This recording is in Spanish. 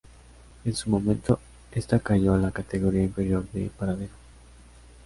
En un momento esta cayó a la categoría inferior de paradero.